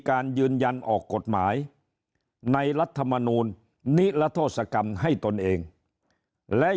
การยืนยันออกกฎหมายในรัฐมนูลนิรโทษกรรมให้ตนเองและ